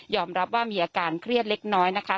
รับว่ามีอาการเครียดเล็กน้อยนะคะ